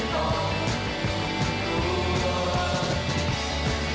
กันไม้